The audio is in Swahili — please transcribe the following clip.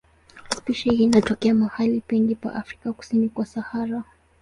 Spishi hii inatokea mahali pengi pa Afrika kusini kwa Sahara.